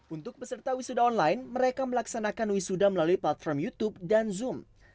untuk peserta wisuda online mereka melaksanakan wisuda melalui platform youtube dan zoom